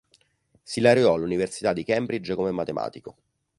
Si laureò all'università di Cambridge come matematico.